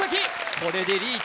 これでリーチ